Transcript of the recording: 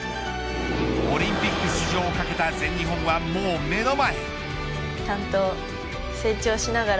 オリンピック出場を懸けた全日本はもう目の前。